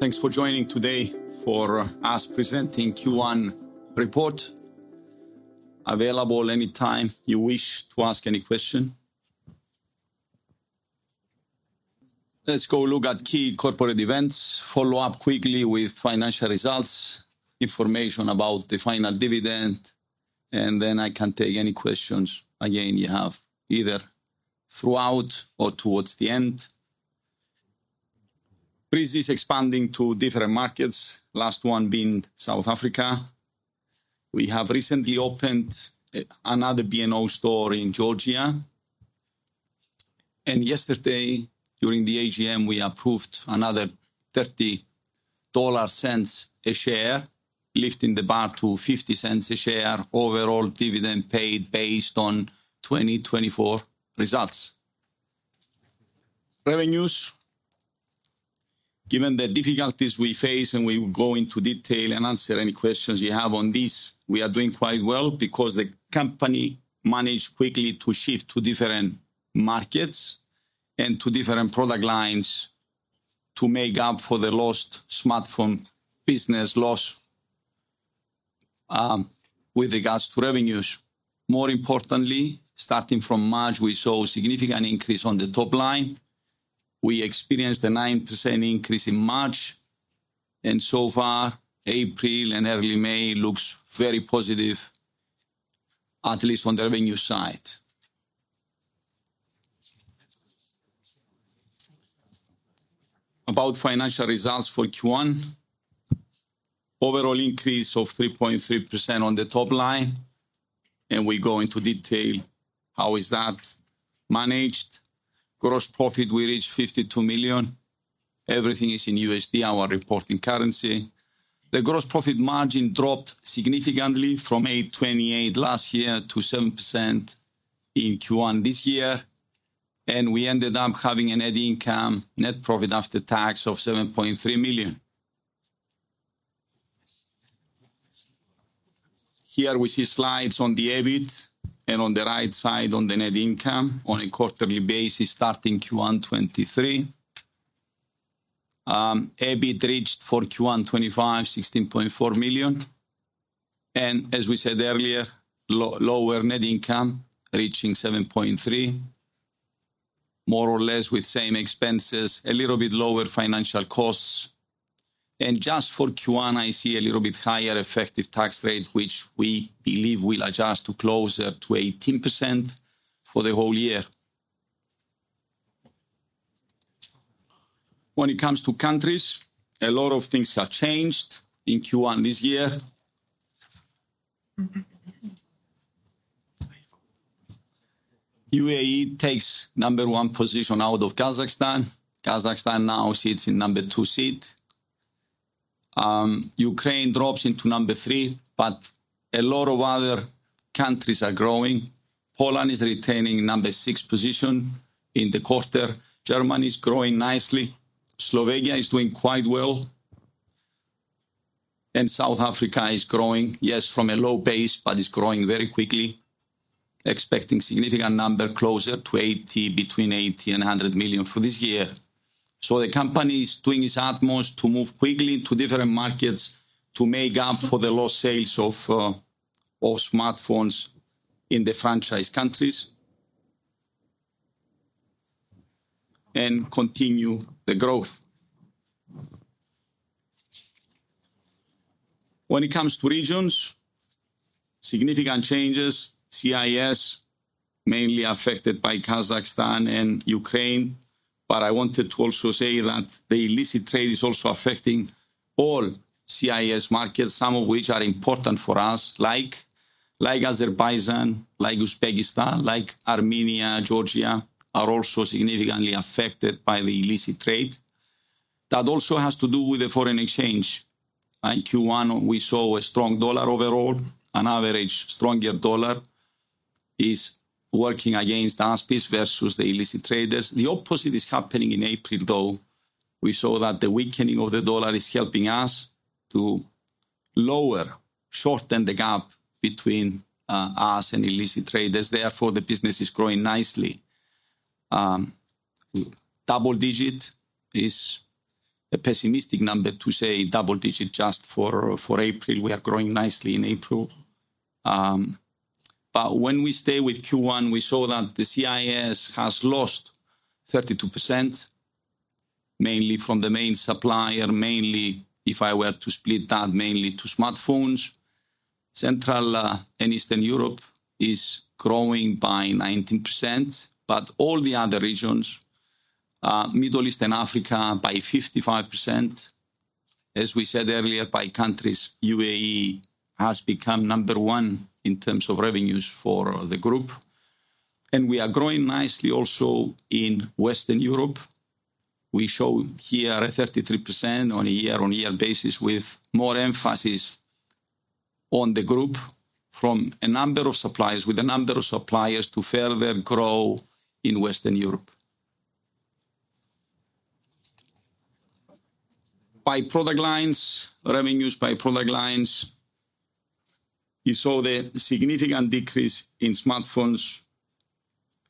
Thanks for joining today for us presenting Q1 report. Available anytime you wish to ask any question. Let's go look at key corporate events, follow up quickly with financial results, information about the final dividend, and then I can take any questions again you have either throughout or towards the end. ASBISc is expanding to different markets, last one being South Africa. We have recently opened another B&O store in Georgia. Yesterday, during the AGM, we approved another $0.30 a share, lifting the bar to $0.50 a share overall dividend paid based on 2024 results. Revenues, given the difficulties we face, and we will go into detail and answer any questions you have on these, we are doing quite well because the company managed quickly to shift to different markets and to different product lines to make up for the lost smartphone business loss with regards to revenues. More importantly, starting from March, we saw a significant increase on the top line. We experienced a 9% increase in March, and so far, April and early May look very positive, at least on the revenue side. About financial results for Q1, overall increase of 3.3% on the top line, and we go into detail how is that managed. Gross profit, we reached $52 million. Everything is in USD, our reporting currency. The gross profit margin dropped significantly from 8.28% last year to 7% in Q1 this year, and we ended up having a net income net profit after tax of $7.3 million. Here we see slides on the EBIT and on the right side on the net income on a quarterly basis starting Q1 2023. EBIT reached for Q1 2025, $16.4 million. As we said earlier, lower net income reaching $7.3 million, more or less with same expenses, a little bit lower financial costs. Just for Q1, I see a little bit higher effective tax rate, which we believe will adjust to closer to 18% for the whole year. When it comes to countries, a lot of things have changed in Q1 this year. UAE takes number one position out of Kazakhstan. Kazakhstan now sits in number two seat. Ukraine drops into number three, but a lot of other countries are growing. Poland is retaining number six position in the quarter. Germany is growing nicely. Slovenia is doing quite well. South Africa is growing, yes, from a low base, but is growing very quickly, expecting significant number closer to $80 million, between $80 million and $100 million for this year. The company is doing its utmost to move quickly to different markets to make up for the lost sales of smartphones in the franchise countries and continue the growth. When it comes to regions, significant changes, CIS mainly affected by Kazakhstan and Ukraine, but I wanted to also say that the illicit trade is also affecting all CIS markets, some of which are important for us, like Azerbaijan, like Uzbekistan, like Armenia. Georgia is also significantly affected by the illicit trade. That also has to do with the foreign exchange. In Q1, we saw a strong dollar overall. On average, a stronger dollar is working against ASBISc versus the illicit traders. The opposite is happening in April, though. We saw that the weakening of the dollar is helping us to lower, shorten the gap between us and illicit traders. Therefore, the business is growing nicely. Double digit is a pessimistic number to say double digit just for April. We are growing nicely in April. When we stay with Q1, we saw that the CIS has lost 32%, mainly from the main supplier, mainly, if I were to split that, mainly to smartphones. Central and Eastern Europe is growing by 19%, all the other regions, Middle East and Africa, by 55%. As we said earlier, by countries, UAE has become number one in terms of revenues for the group. We are growing nicely also in Western Europe. We show here a 33% on a year-on-year basis with more emphasis on the group from a number of suppliers, with a number of suppliers to further grow in Western Europe. By product lines, revenues by product lines, you saw the significant decrease in smartphones.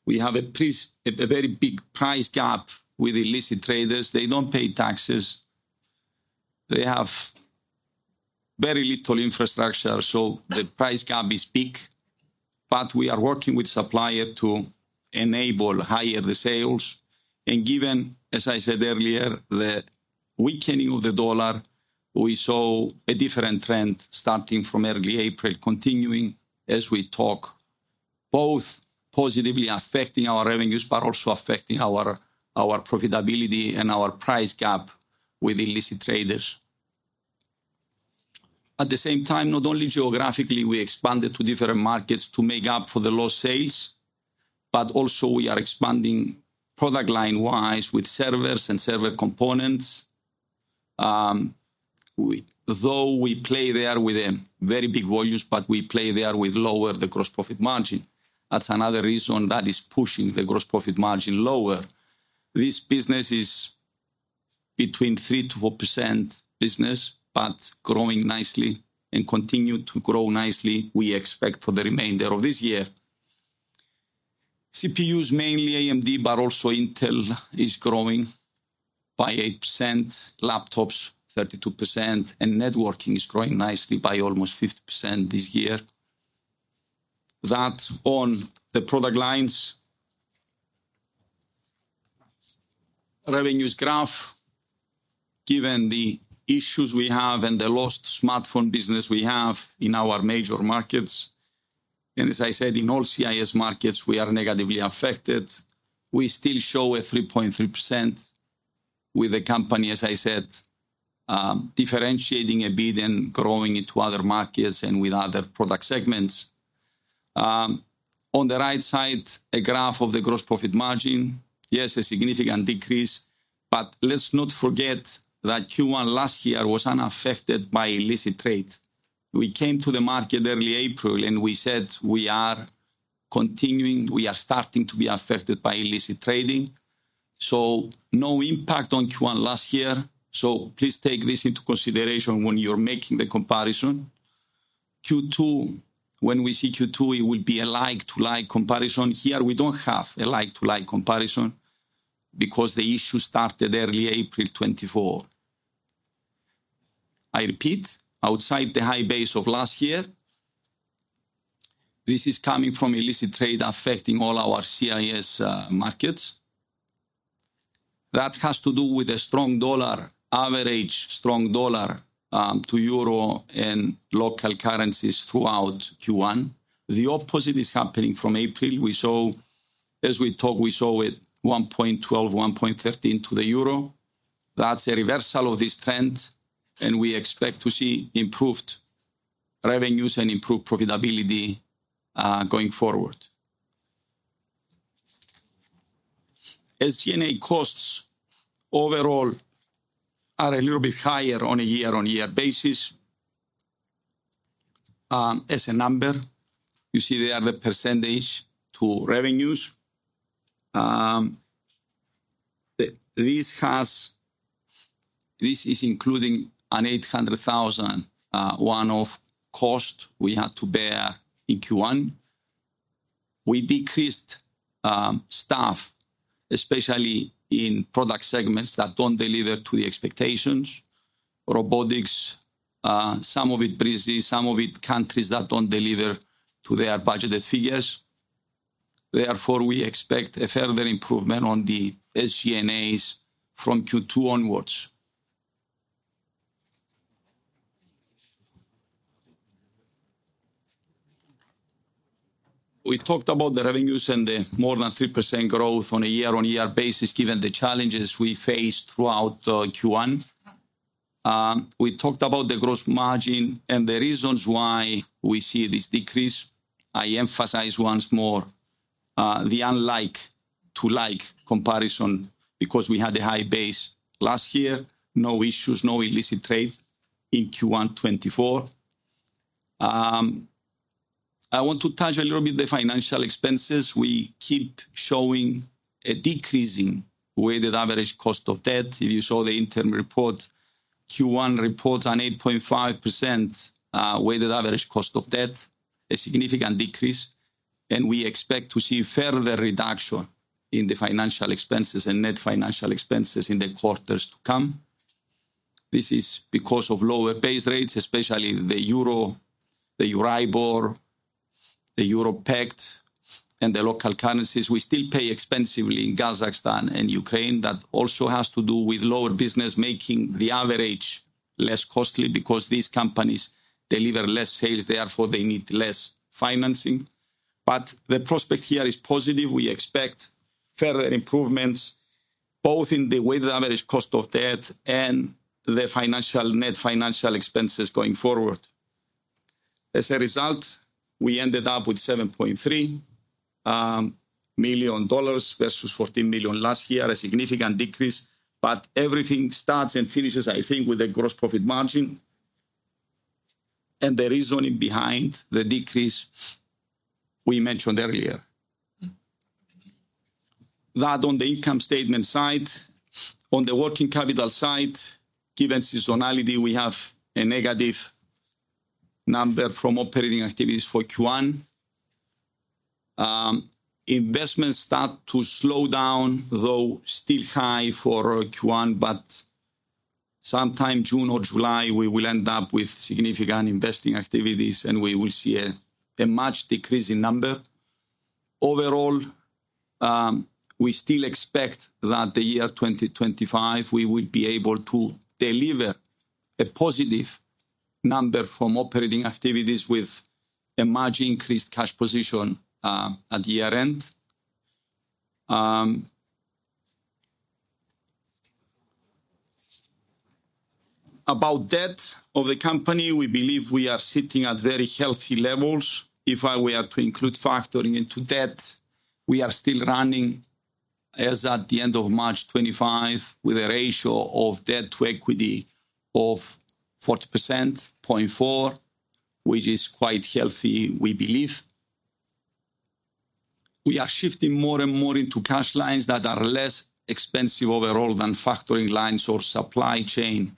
We have a very big price gap with illicit traders. They do not pay taxes. They have very little infrastructure, so the price gap is big. We are working with suppliers to enable higher sales. Given, as I said earlier, the weakening of the dollar, we saw a different trend starting from early April, continuing as we talk, both positively affecting our revenues, but also affecting our profitability and our price gap with illicit traders. At the same time, not only geographically, we expanded to different markets to make up for the lost sales, but also we are expanding product line-wise with servers and server components. Though we play there with very big volumes, we play there with lower gross profit margin. That is another reason that is pushing the gross profit margin lower. This business is between 3%-4% business, but growing nicely and continues to grow nicely, we expect for the remainder of this year. CPUs, mainly AMD, but also Intel, is growing by 8%, laptops 32%, and networking is growing nicely by almost 50% this year. That on the product lines, revenues graph, given the issues we have and the lost smartphone business we have in our major markets. As I said, in all CIS markets, we are negatively affected. We still show a 3.3% with the company, as I said, differentiating a bit and growing into other markets and with other product segments. On the right side, a graph of the gross profit margin. Yes, a significant decrease, but let's not forget that Q1 last year was unaffected by illicit trade. We came to the market early April and we said we are continuing, we are starting to be affected by illicit trading. No impact on Q1 last year. Please take this into consideration when you're making the comparison. Q2, when we see Q2, it will be a like-to-like comparison. Here we do not have a like-to-like comparison because the issue started early April 2024. I repeat, outside the high base of last year, this is coming from illicit trade affecting all our CIS markets. That has to do with a strong dollar, average strong dollar to euro and local currencies throughout Q1. The opposite is happening from April. We saw, as we talk, we saw it 1.12-1.13 to the euro. That's a reversal of this trend, and we expect to see improved revenues and improved profitability going forward. SG&A costs overall are a little bit higher on a year-on-year basis. As a number, you see there the percentage to revenues. This is including an $800,000 one-off cost we had to bear in Q1. We decreased staff, especially in product segments that don't deliver to the expectations, robotics, some of it BRISI, some of it countries that don't deliver to their budgeted figures. Therefore, we expect a further improvement on the SG&A s from Q2 onwards. We talked about the revenues and the more than 3% growth on a year-on-year basis given the challenges we faced throughout Q1. We talked about the gross margin and the reasons why we see this decrease. I emphasize once more the unlike-to-like comparison because we had a high base last year, no issues, no illicit trade in Q1 2024. I want to touch a little bit the financial expenses. We keep showing a decreasing weighted average cost of debt. If you saw the interim report, Q1 reports an 8.5% weighted average cost of debt, a significant decrease, and we expect to see further reduction in the financial expenses and net financial expenses in the quarters to come. This is because of lower base rates, especially the Euro, the Euribor, the Euro PECT, and the local currencies. We still pay expensively in Kazakhstan and Ukraine. That also has to do with lower business, making the average less costly because these companies deliver less sales. Therefore, they need less financing. The prospect here is positive. We expect further improvements both in the weighted average cost of debt and the net financial expenses going forward. As a result, we ended up with $7.3 million versus $14 million last year, a significant decrease. Everything starts and finishes, I think, with the gross profit margin and the reasoning behind the decrease we mentioned earlier. That is on the income statement side. On the working capital side, given seasonality, we have a negative number from operating activities for Q1. Investments start to slow down, though still high for Q1, but sometime June or July, we will end up with significant investing activities and we will see a much decreasing number. Overall, we still expect that the year 2025, we will be able to deliver a positive number from operating activities with a much increased cash position at year-end. About debt of the company, we believe we are sitting at very healthy levels. If I were to include factoring into debt, we are still running as at the end of March 2025 with a ratio of debt to equity of 40.4%, which is quite healthy, we believe. We are shifting more and more into cash lines that are less expensive overall than factoring lines or supply chain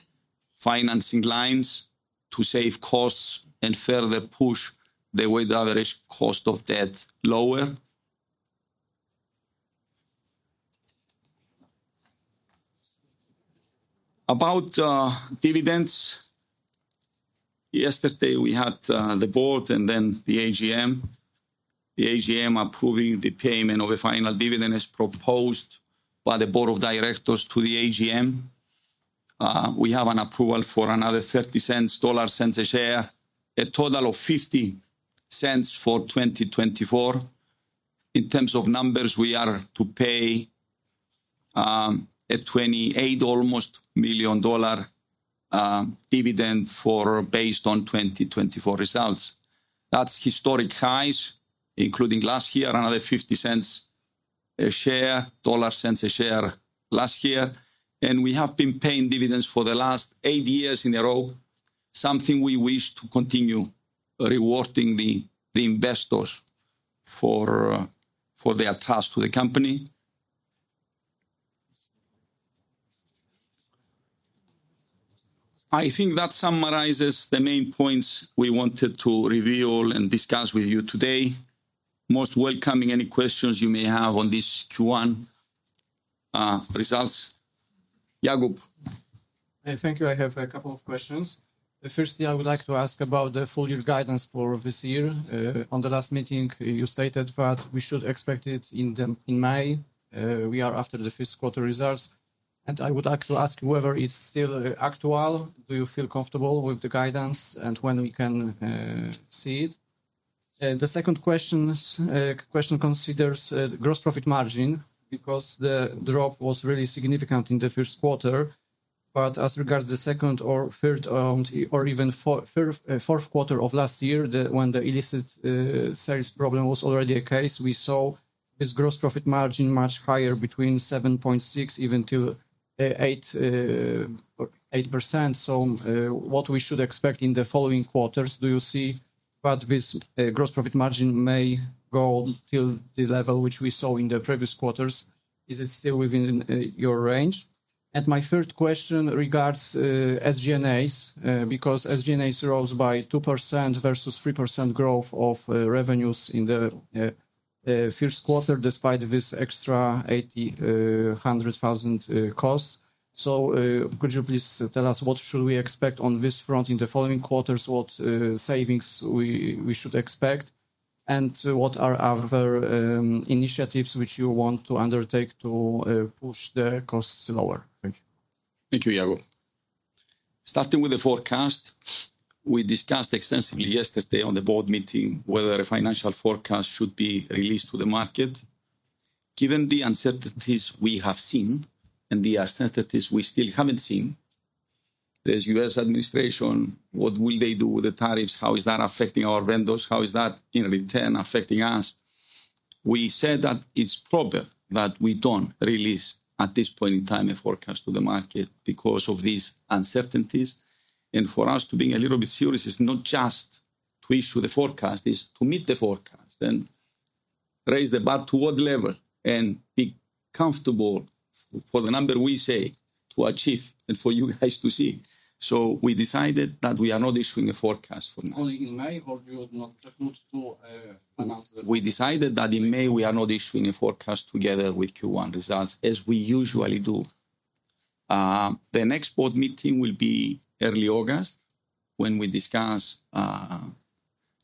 financing lines to save costs and further push the weighted average cost of debt lower. About dividends, yesterday we had the board and then the AGM. The AGM approving the payment of a final dividend as proposed by the Board of Directors to the AGM. We have an approval for another $0.30 a share, a total of $0.50 for 2024. In terms of numbers, we are to pay a $28 million dividend based on 2024 results. That is historic highs, including last year, another $0.50 a share last year. We have been paying dividends for the last eight years in a row, something we wish to continue rewarding the investors for their trust to the company. I think that summarizes the main points we wanted to reveal and discuss with you today. Most welcoming any questions you may have on this Q1 results. Yakub. Thank you. I have a couple of questions. The first thing I would like to ask about the full year guidance for this year. On the last meeting, you stated that we should expect it in May. We are after the fiscal quarter results. I would like to ask you whether it's still actual. Do you feel comfortable with the guidance and when we can see it? The second question considers gross profit margin because the drop was really significant in the first quarter. As regards the second or third or even fourth quarter of last year, when the illicit sales problem was already a case, we saw this gross profit margin much higher, between 7.6% and even 8%. What should we expect in the following quarters? Do you see that this gross profit margin may go to the level which we saw in the previous quarters? Is it still within your range? My third question regards SG&A because SG&A rose by 2% versus 3% growth of revenues in the first quarter despite this extra $800,000 cost. Could you please tell us what should we expect on this front in the following quarters, what savings we should expect, and what are our initiatives which you want to undertake to push the costs lower? Thank you. Thank you, Yakub. Starting with the forecast, we discussed extensively yesterday on the board meeting whether a financial forecast should be released to the market. Given the uncertainties we have seen and the uncertainties we still have not seen, the U.S. administration, what will they do with the tariffs? How is that affecting our vendors? How is that in return affecting us? We said that it is proper that we do not release at this point in time a forecast to the market because of these uncertainties. For us to be a little bit serious, it's not just to issue the forecast, it's to meet the forecast and raise the bar to what level and be comfortable for the number we say to achieve and for you guys to see. We decided that we are not issuing a forecast for now. Only in May or you're not to announce the forecast? We decided that in May we are not issuing a forecast together with Q1 results as we usually do. The next board meeting will be early August when we discuss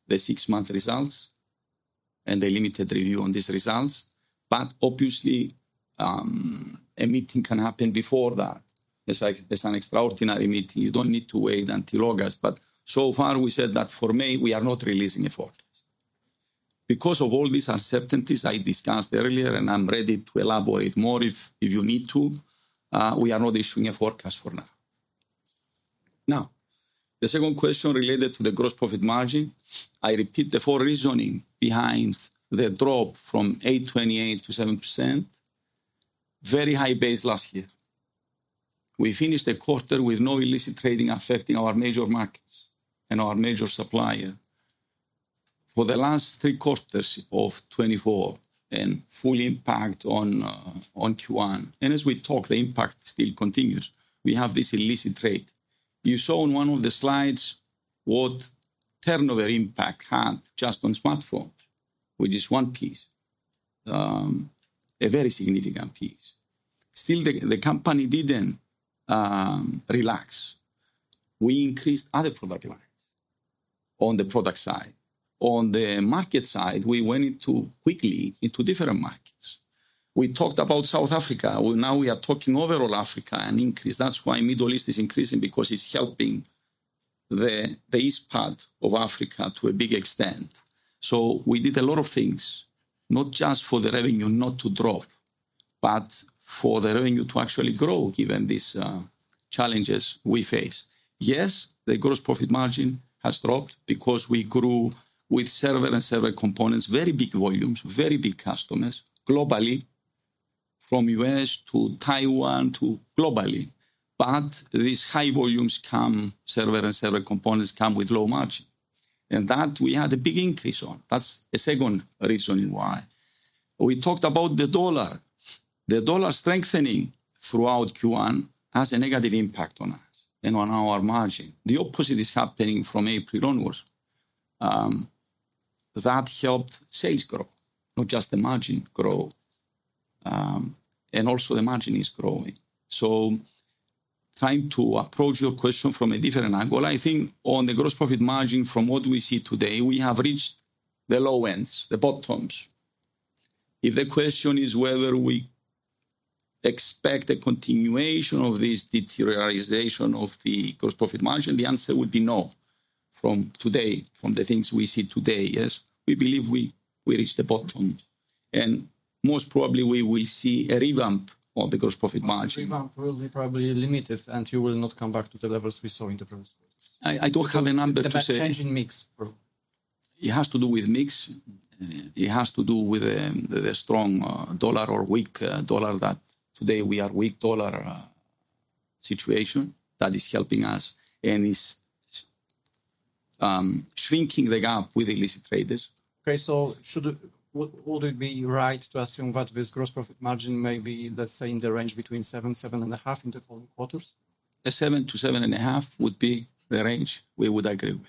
the six-month results and the limited review on these results. Obviously, a meeting can happen before that. It's an extraordinary meeting. You don't need to wait until August. So far, we said that for May, we are not releasing a forecast. Because of all these uncertainties I discussed earlier, and I'm ready to elaborate more if you need to, we are not issuing a forecast for now. The second question related to the gross profit margin. I repeat the four reasoning behind the drop from 8.28%-7%. Very high base last year. We finished the quarter with no illicit trading affecting our major markets and our major supplier for the last three quarters of 2024 and full impact on Q1. As we talk, the impact still continues. We have this illicit trade. You saw on one of the slides what turnover impact had just on smartphones, which is one piece, a very significant piece. Still, the company did not relax. We increased other product lines on the product side. On the market side, we went quickly into different markets. We talked about South Africa. Now we are talking overall Africa and increase. That is why Middle East is increasing because it is helping the East part of Africa to a big extent. We did a lot of things, not just for the revenue not to drop, but for the revenue to actually grow given these challenges we face. Yes, the gross profit margin has dropped because we grew with server and server components, very big volumes, very big customers globally from U.S. to Taiwan to globally. These high volumes come, server and server components come with low margin. We had a big increase on that. That is a second reasoning why. We talked about the dollar. The dollar strengthening throughout Q1 has a negative impact on us and on our margin. The opposite is happening from April onwards. That helped sales grow, not just the margin grow, and also the margin is growing. Trying to approach your question from a different angle. I think on the gross profit margin from what we see today, we have reached the low end, the bottom. If the question is whether we expect a continuation of this deterioration of the gross profit margin, the answer would be no from today, from the things we see today. Yes, we believe we reached the bottom. Most probably we will see a revamp of the gross profit margin. Revamp will be probably limited and it will not come back to the levels we saw in the previous quarter. I do not have a number to say. That is changing mix. It has to do with mix. It has to do with the strong dollar or weak dollar that today we are in a weak dollar situation that is helping us and is shrinking the gap with illicit traders. Okay, so would it be right to assume that this gross profit margin may be, let's say, in the range between 7%-7.5% in the following quarters? 7%-7.5% would be the range we would agree with.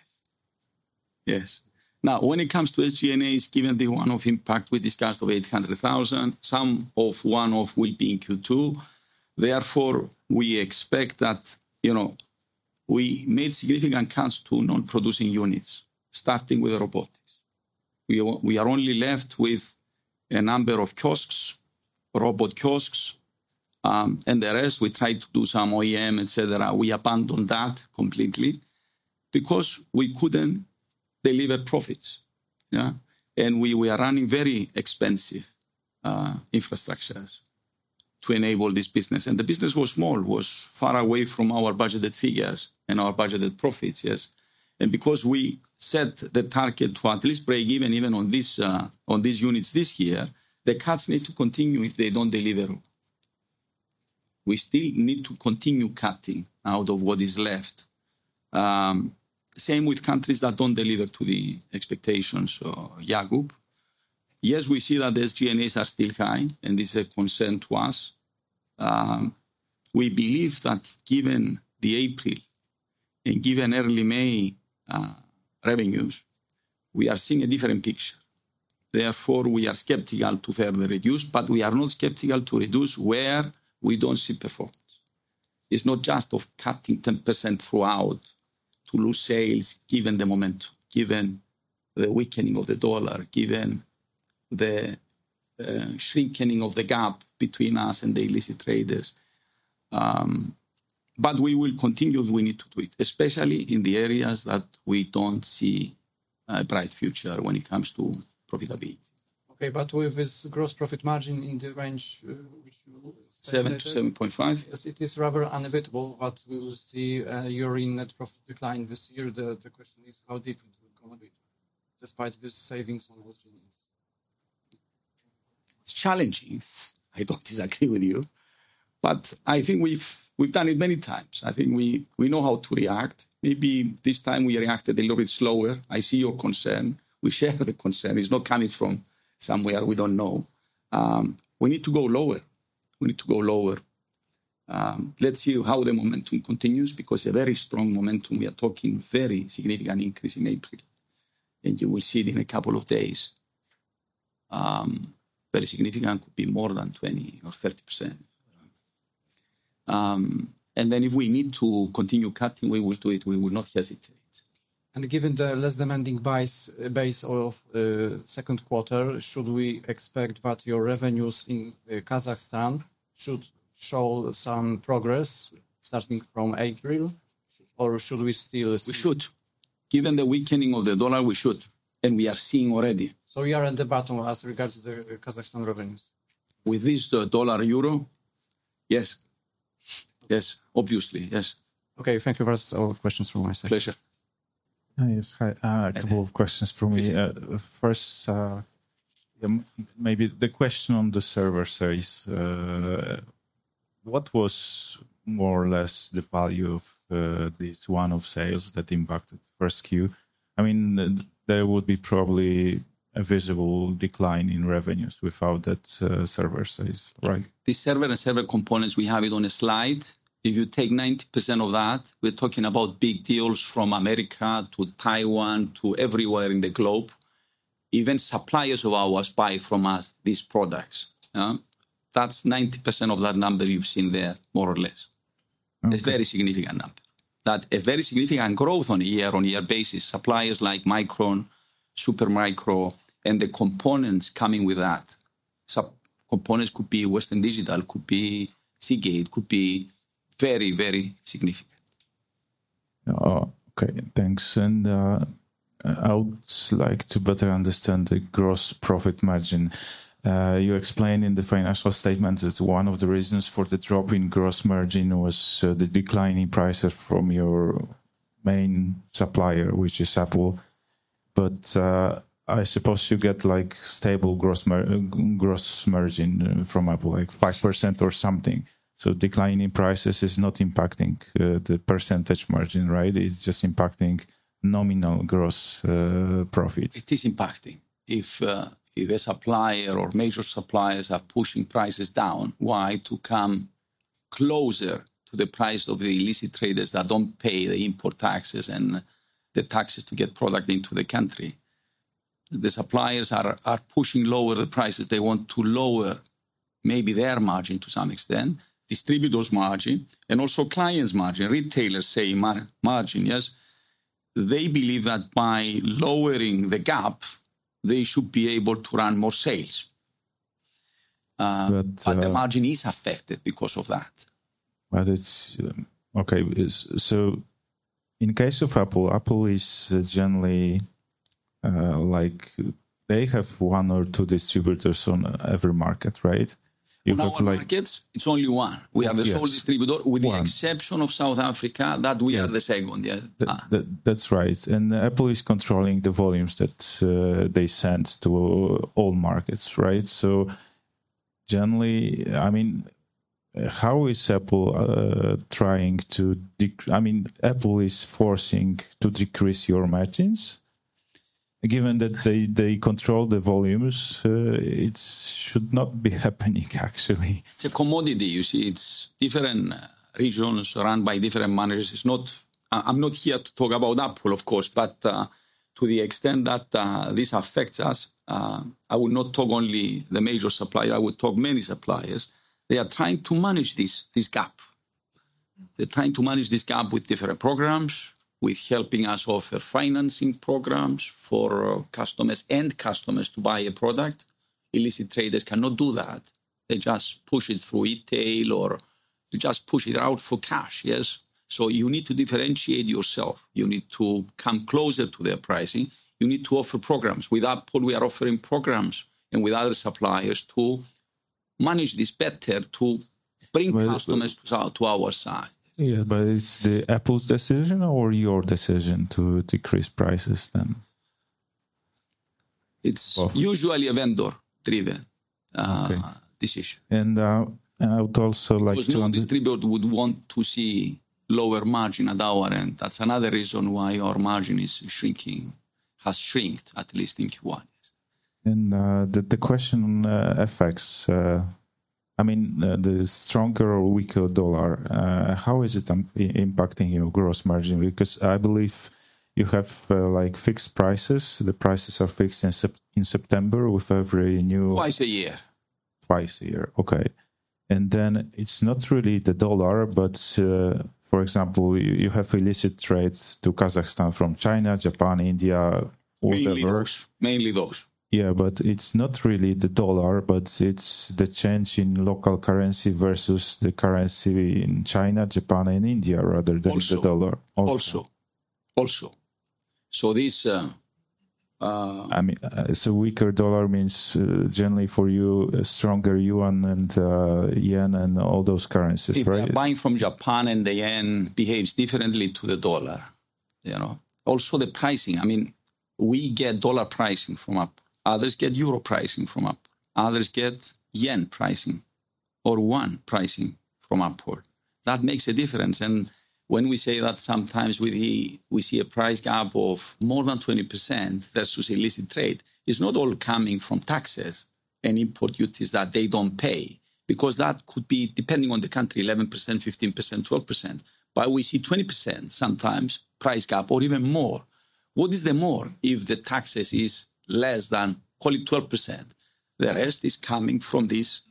Yes. Now, when it comes to SG&A, given the one-off impact we discussed of $800,000, some of one-off will be in Q2. Therefore, we expect that we made significant cuts to non-producing units, starting with the robotics. We are only left with a number of kiosks, robot kiosks, and the rest we tried to do some OEM, et cetera. We abandoned that completely because we couldn't deliver profits. We were running very expensive infrastructures to enable this business. The business was small, was far away from our budgeted figures and our budgeted profits, yes. Because we set the target to at least break even on these units this year, the cuts need to continue if they do not deliver. We still need to continue cutting out of what is left. Same with countries that do not deliver to the expectations. Yakub, yes, we see that SG&A costs are still high and this is a concern to us. We believe that given the April and given early May revenues, we are seeing a different picture. Therefore, we are skeptical to further reduce, but we are not skeptical to reduce where we do not see performance. It is not just about cutting 10% throughout to lose sales given the momentum, given the weakening of the dollar, given the shrinking of the gap between us and the illicit traders. We will continue if we need to do it, especially in the areas that we do not see a bright future when it comes to profitability. Okay, with this gross profit margin in the range which you will, 7%-7.5%. Yes, it is rather inevitable that we will see a year-end net profit decline this year. The question is how deep it will go despite the savings on SG&A. It is challenging. I do not disagree with you, but I think we have done it many times. I think we know how to react. Maybe this time we reacted a little bit slower. I see your concern. We share the concern. It is not coming from somewhere we do not know. We need to go lower. We need to go lower. Let us see how the momentum continues because a very strong momentum. We are talking very significant increase in April, and you will see it in a couple of days. Very significant could be more than 20% or 30%. If we need to continue cutting, we will do it. We will not hesitate. Given the less demanding base of second quarter, should we expect that your revenues in Kazakhstan should show some progress starting from April, or should we still see? We should. Given the weakening of the dollar, we should. And we are seeing already. You are at the bottom as regards to the Kazakhstan revenues? With this, the dollar-euro? Yes. Yes, obviously. Okay, thank you. That is all questions from my side. Pleasure. Yes, a couple of questions from me. First, maybe the question on the server size. What was more or less the value of this one-off sales that impacted the first Q? I mean, there would be probably a visible decline in revenues without that server size, right? The server and server components, we have it on a slide. If you take 90% of that, we're talking about big deals from America to Taiwan to everywhere in the globe. Even suppliers of ours buy from us these products. That's 90% of that number you've seen there, more or less. It's a very significant number. That's a very significant growth on a year-on-year basis. Suppliers like Micron, Supermicro, and the components coming with that. Components could be Western Digital, could be Seagate, could be very, very significant. Okay, thanks. I would like to better understand the gross profit margin. You explained in the financial statements that one of the reasons for the drop in gross margin was the declining prices from your main supplier, which is Apple. But I suppose you get stable gross margin from Apple, like 5% or something. So declining prices is not impacting the percentage margin, right? It's just impacting nominal gross profit. It is impacting. If a supplier or major suppliers are pushing prices down, why to come closer to the price of the illicit traders that do not pay the import taxes and the taxes to get product into the country? The suppliers are pushing lower the prices. They want to lower maybe their margin to some extent, distribute those margins, and also clients' margins, retailers' margins, yes. They believe that by lowering the gap, they should be able to run more sales. But the margin is affected because of that. Okay. So in case of Apple, Apple is generally like they have one or two distributors on every market, right? In all markets, it's only one. We have a sole distributor with the exception of South Africa that we are the second. That's right. And Apple is controlling the volumes that they send to all markets, right? So generally, I mean, how is Apple trying to, I mean, Apple is forcing to decrease your margins? Given that they control the volumes, it should not be happening, actually. It's a commodity, you see. It's different regions run by different managers. I'm not here to talk about Apple, of course, but to the extent that this affects us, I will not talk only the major supplier. I will talk many suppliers. They are trying to manage this gap. They're trying to manage this gap with different programs, with helping us offer financing programs for customers and customers to buy a product. Illicit traders cannot do that. They just push it through retail or they just push it out for cash, yes. You need to differentiate yourself. You need to come closer to their pricing. You need to offer programs. With Apple, we are offering programs and with other suppliers to manage this better to bring customers to our side. Yeah, but it's the Apple's decision or your decision to decrease prices then? It's usually a vendor-driven decision. I would also like to understand. The distributor would want to see lower margin at our end. That's another reason why our margin is shrinking, has shrunk at least in Q1. The question on effects, I mean, the stronger or weaker dollar, how is it impacting your gross margin? Because I believe you have fixed prices. The prices are fixed in September with every new. Twice a year. Twice a year. Okay. It's not really the dollar, but for example, you have illicit trade to Kazakhstan from China, Japan, India, whatever. Mainly those. Yeah, but it's not really the dollar, but it's the change in local currency versus the currency in China, Japan, and India rather than the dollar. Also. Also. So this. I mean, a weaker dollar means generally for you a stronger yuan and yen and all those currencies, right? If you're buying from Japan and the yen behaves differently to the dollar. You know, also the pricing. I mean, we get dollar pricing from up. Others get euro pricing from up. Others get yen pricing or yuan pricing from upward. That makes a difference. When we say that sometimes we see a price gap of more than 20% versus illicit trade, it's not all coming from taxes and import duties that they don't pay. Because that could be depending on the country, 11%, 15%, 12%. We see 20% sometimes price gap or even more. What is the more if the taxes is less than, call it, 12%? The rest is coming from this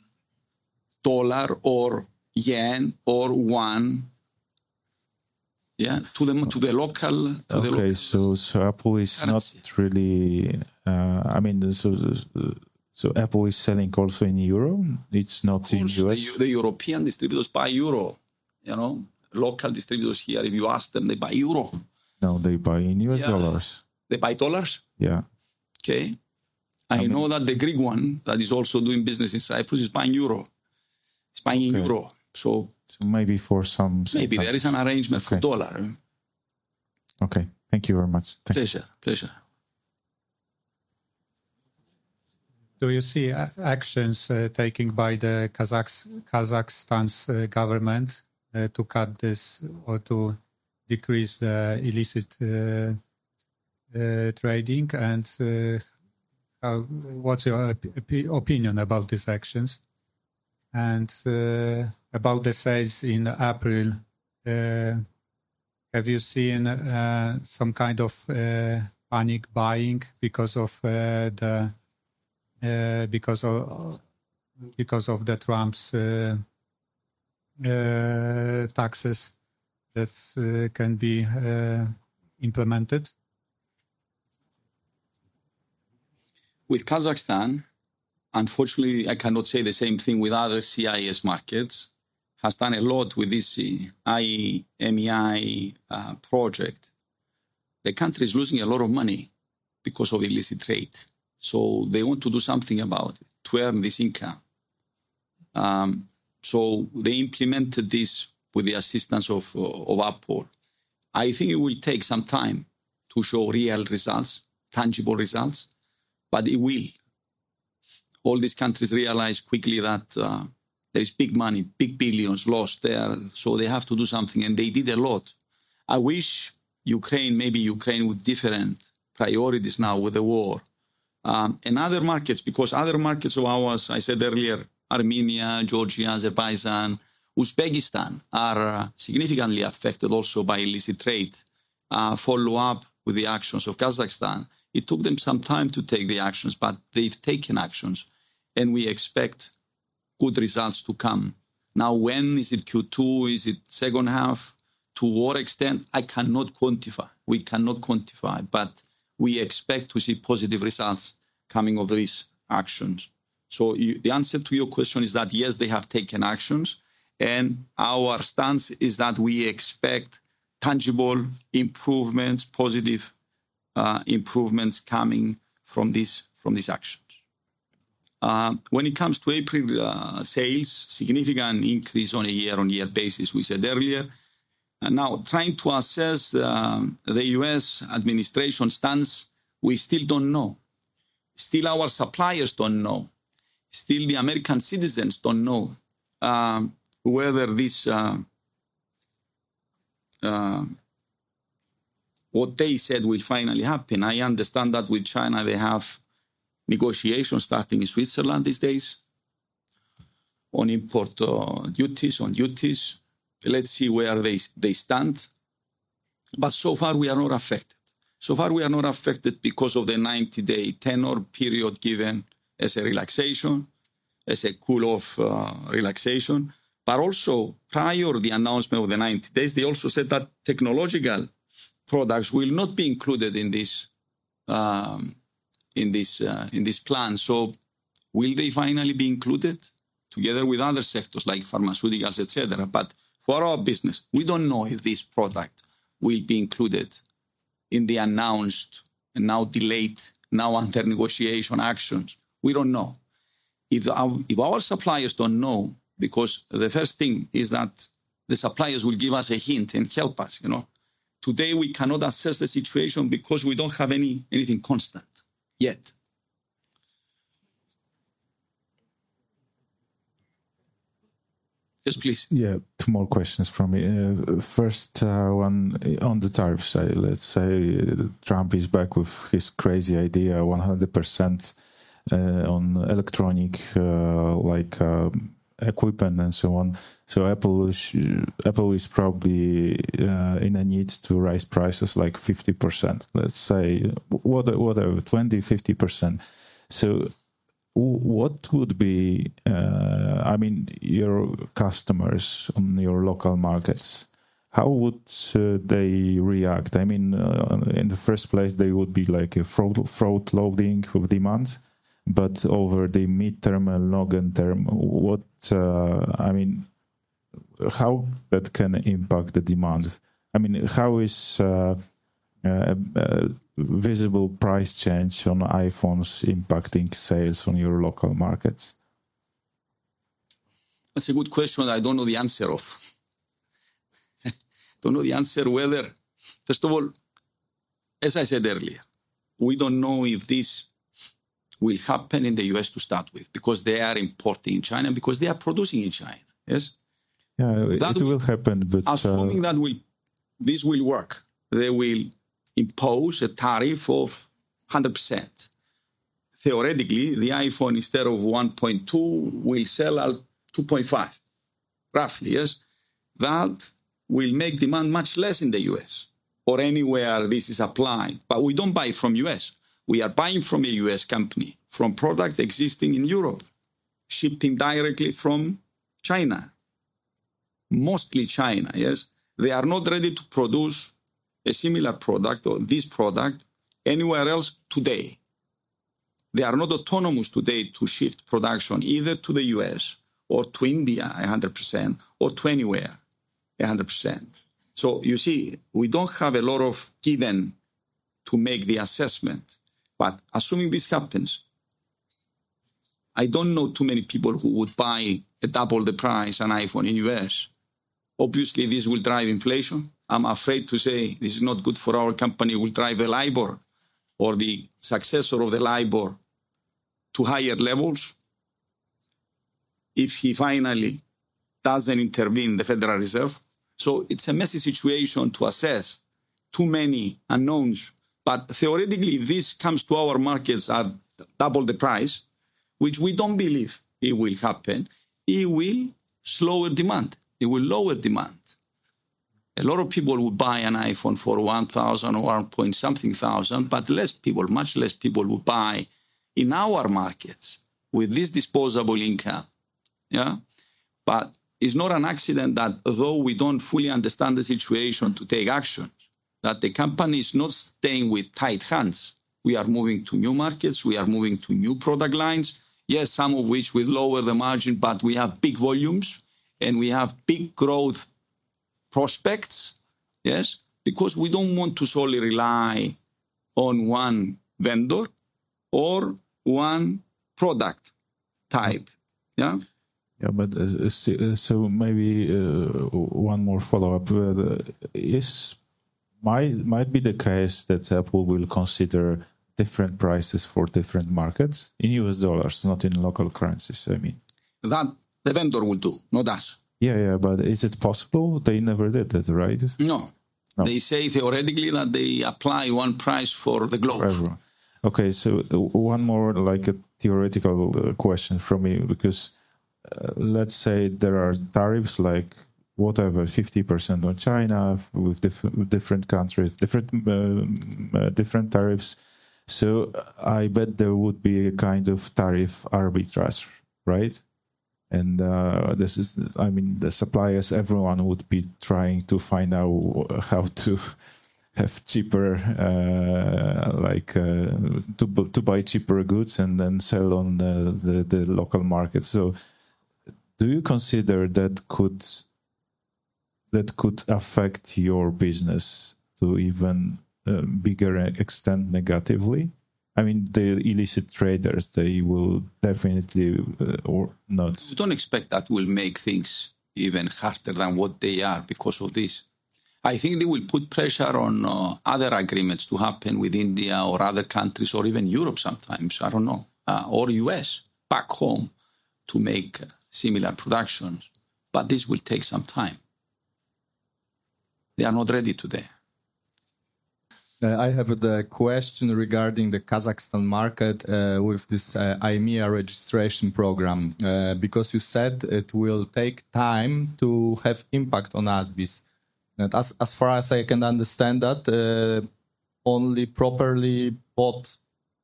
dollar or yen or yuan to the local. Okay, so Apple is not really, I mean, so Apple is selling also in euro? It is not in U.S.? The European distributors buy euro. Local distributors here, if you ask them, they buy euro. No, they buy in U.S. dollars. They buy dollars? Yeah. Okay. I know that the Greek one that is also doing business in Cyprus is buying euro. It is buying in euro. So maybe for some. Maybe there is an arrangement for dollar. Okay. Thank you very much. Pleasure. Pleasure. Do you see actions taken by the Kazakhstan's government to cut this or to decrease the illicit trading? What is your opinion about these actions? About the sales in April, have you seen some kind of panic buying because of the Trump's taxes that can be implemented? With Kazakhstan, unfortunately, I cannot say the same thing with other CIS markets. Kazakhstan has done a lot with this IMEI project. The country is losing a lot of money because of illicit trade. They want to do something about it to earn this income. They implemented this with the assistance of Apple. I think it will take some time to show real results, tangible results, but it will. All these countries realize quickly that there is big money, big billions lost there. They have to do something and they did a lot. I wish Ukraine, maybe Ukraine with different priorities now with the war. Other markets of ours, I said earlier, Armenia, Georgia, Azerbaijan, Uzbekistan are significantly affected also by illicit trade. Follow up with the actions of Kazakhstan. It took them some time to take the actions, but they've taken actions and we expect good results to come. Now, when is it Q2? Is it second half? To what extent? I cannot quantify. We cannot quantify, but we expect to see positive results coming of these actions. The answer to your question is that yes, they have taken actions. Our stance is that we expect tangible improvements, positive improvements coming from these actions. When it comes to April sales, significant increase on a year-on-year basis, we said earlier. Now trying to assess the U.S. administration's stance, we still don't know. Still, our suppliers don't know. Still, the American citizens do not know whether what they said will finally happen. I understand that with China, they have negotiations starting in Switzerland these days on import duties, on duties. Let us see where they stand. So far, we are not affected. So far, we are not affected because of the 90-day tenor period given as a relaxation, as a cool-off relaxation. Also, prior to the announcement of the 90 days, they said that technological products will not be included in this plan. Will they finally be included together with other sectors like pharmaceuticals, et cetera? For our business, we do not know if this product will be included in the announced and now delayed, now under negotiation actions. We do not know. If our suppliers do not know, because the first thing is that the suppliers will give us a hint and help us. Today, we cannot assess the situation because we don't have anything constant yet. Yes, please. Yeah, two more questions for me. First, one on the tariff side. Let's say Trump is back with his crazy idea 100% on electronic equipment and so on. So Apple is probably in a need to raise prices like 50%, let's say, whatever, 20%-50%. So what would be, I mean, your customers on your local markets, how would they react? I mean, in the first place, they would be like a fraud loading of demands, but over the mid-term and long-term, I mean, how that can impact the demands? I mean, how is visible price change on iPhones impacting sales on your local markets? That's a good question. I don't know the answer of. I don't know the answer whether, first of all, as I said earlier, we don't know if this will happen in the U.S. to start with because they are importing in China and because they are producing in China, yes? Yeah, it will happen, but. I'm assuming that this will work. They will impose a tariff of 100%. Theoretically, the iPhone instead of $1.2 will sell at $2.5, roughly, yes? That will make demand much less in the U.S. or anywhere this is applied. We don't buy from the U.S. We are buying from a U.S. company, from products existing in Europe, shipping directly from China, mostly China, yes? They are not ready to produce a similar product or this product anywhere else today. They are not autonomous today to shift production either to the U.S. or to India 100% or to anywhere 100%. You see, we do not have a lot of given to make the assessment. But assuming this happens, I do not know too many people who would buy at double the price an iPhone in the U.S. Obviously, this will drive inflation. I am afraid to say this is not good for our company. It will drive the labor or the successor of the labor to higher levels if he finally does not intervene, the Federal Reserve. It is a messy situation to assess, too many unknowns. But theoretically, if this comes to our markets at double the price, which we do not believe it will happen, it will slow demand. It will lower demand. A lot of people will buy an iPhone for $1,000 or $1,000 something thousand, but less people, much less people will buy in our markets with this disposable income. Yeah? It is not an accident that although we do not fully understand the situation to take action, the company is not staying with tight hands. We are moving to new markets. We are moving to new product lines. Yes, some of which will lower the margin, but we have big volumes and we have big growth prospects, yes? Because we do not want to solely rely on one vendor or one product type. Yeah? Yeah, maybe one more follow-up. It might be the case that Apple will consider different prices for different markets in U.S. dollars, not in local currencies, I mean. That the vendor will do, not us. Yeah, yeah, but is it possible? They never did it, right? No. They say theoretically that they apply one price for the globe. Forever. Okay, so one more like a theoretical question from me because let's say there are tariffs like whatever, 50% on China with different countries, different tariffs. I bet there would be a kind of tariff arbitrage, right? This is, I mean, the suppliers, everyone would be trying to find out how to have cheaper, like to buy cheaper goods and then sell on the local markets. Do you consider that could affect your business to even a bigger extent negatively? I mean, the illicit traders, they will definitely or not. We don't expect that will make things even harder than what they are because of this. I think they will put pressure on other agreements to happen with India or other countries or even Europe sometimes, I don't know, or US back home to make similar productions. This will take some time. They are not ready today. I have a question regarding the Kazakhstan market with this IMEI registration program because you said it will take time to have impact on ASBISc. As far as I can understand that, only properly bought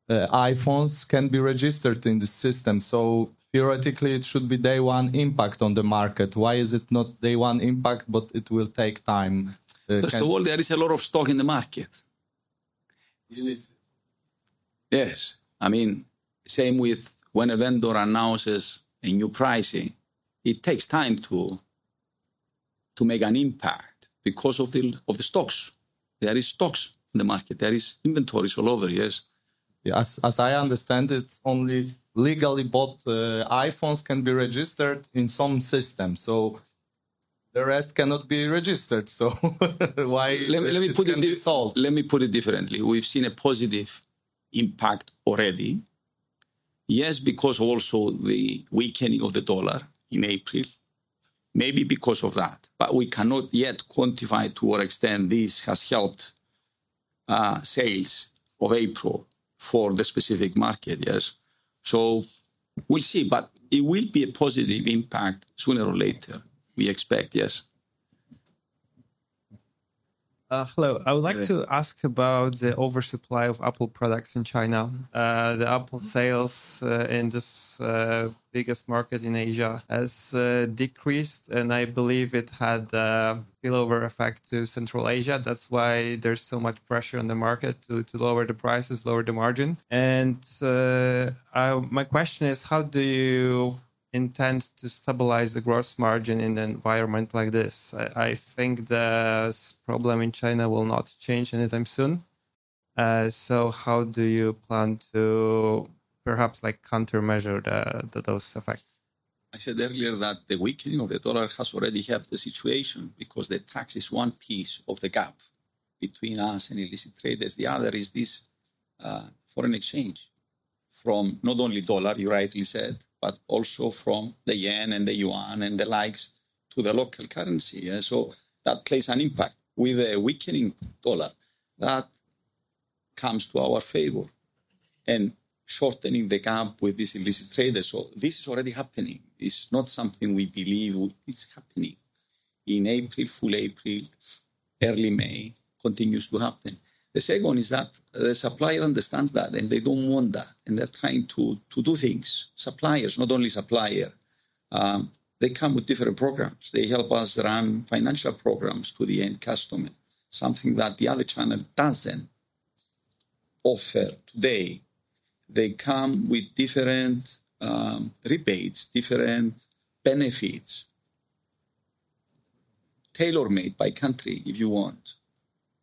iPhones can be registered in the system. Theoretically, it should be day one impact on the market. Why is it not day one impact, but it will take time? First of all, there is a lot of stock in the market. I mean, same with when a vendor announces a new pricing, it takes time to make an impact because of the stocks. There are stocks in the market. There are inventories all over, yes? As I understand it, only legally bought iPhones can be registered in some systems. The rest cannot be registered. Let me put it differently. Let me put it differently. We've seen a positive impact already. Yes, because also the weakening of the dollar in April, maybe because of that. We cannot yet quantify to what extent this has helped sales of April for the specific market, yes? We will see, but it will be a positive impact sooner or later. We expect, yes. Hello. I would like to ask about the oversupply of Apple products in China. The Apple sales in this biggest market in Asia has decreased, and I believe it had a spillover effect to Central Asia. That is why there is so much pressure on the market to lower the prices, lower the margin. My question is, how do you intend to stabilize the gross margin in an environment like this? I think the problem in China will not change anytime soon. How do you plan to perhaps countermeasure those effects? I said earlier that the weakening of the dollar has already helped the situation because the tax is one piece of the gap between us and illicit traders. The other is this foreign exchange from not only the dollar, you rightly said, but also from the yen and the yuan and the likes to the local currency. That plays an impact with a weakening dollar that comes to our favor and shortens the gap with these illicit traders. This is already happening. This is not something we believe is happening in April, full April, early May, continues to happen. The second is that the supplier understands that and they do not want that. They are trying to do things. Suppliers, not only the supplier, they come with different programs. They help us run financial programs to the end customer, something that the other channel does not offer today. They come with different rebates, different benefits, tailor-made by country if you want,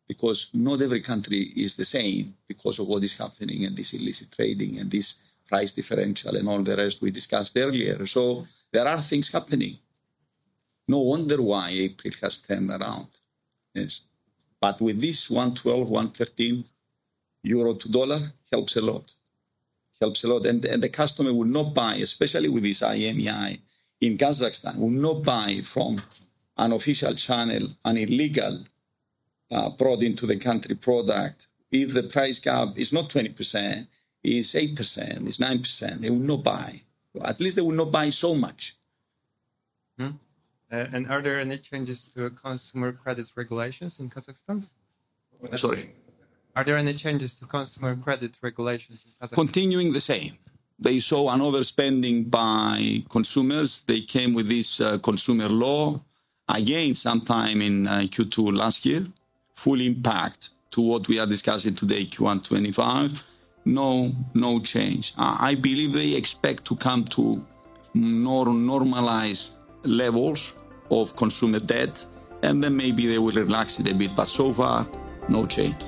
because not every country is the same because of what is happening and this illicit trading and this price differential and all the rest we discussed earlier. There are things happening. No wonder why April has turned around. With this 1.12 euro, EUR 1.13 to $1 helps a lot. Helps a lot. The customer will not buy, especially with this IMEI in Kazakhstan, will not buy from an official channel, an illegal brought into the country product. If the price gap is not 20%, it is 8%, it is 9%, they will not buy. At least they will not buy so much. Are there any changes to consumer credit regulations in Kazakhstan? Sorry? Are there any changes to consumer credit regulations in Kazakhstan? Continuing the same. They saw an overspending by consumers. They came with this consumer law again sometime in Q2 last year, full impact to what we are discussing today, Q1, 2025. No change. I believe they expect to come to normalized levels of consumer debt, and then maybe they will relax it a bit. So far, no change.